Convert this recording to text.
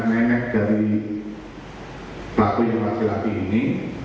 nenek dari pelakunya laki laki ini